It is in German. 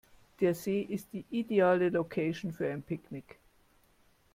Der See ist die ideale Location für ein Picknick.